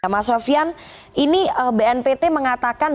mas sofian ini bnpt mengatakan